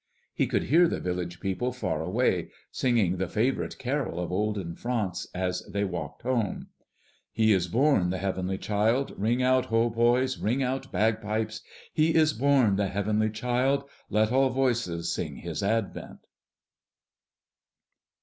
He could hear the village people far away singing the favorite carol of olden France as they walked home, "He is born, the Heavenly Child. Ring out, hautbois! ring out, bagpipes! He is born, the Heavenly Child; Let all voices sing his advent!"